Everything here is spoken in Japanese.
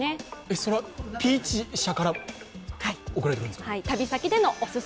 それはピーチ社から送られてくるんですか。